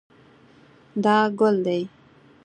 دا ګل دی